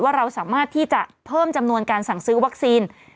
เราสามารถที่จะเพิ่มจำนวนการสั่งซื้อวัคซีน